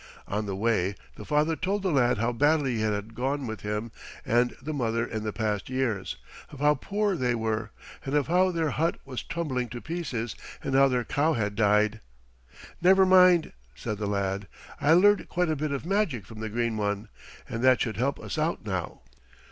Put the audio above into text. On the way the father told the lad how badly it had gone with him and the mother in the past years; of how poor they were, and of how their hut was tumbling to pieces, and how their cow had died. "Never mind," said the lad. "I learned quite a bit of magic from the Green One, and that should help us out now.